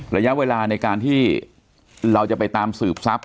ระยะเวลาในการที่เราจะไปตามสืบทรัพย